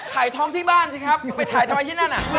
ถ่ายท้องที่บ้านสิครับไปถ่ายทำไมที่นั่นอ่ะ